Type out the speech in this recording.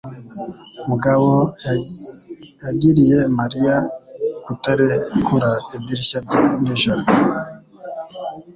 Mugabo yagiriye Mariya kutarekura idirishya rye nijoro.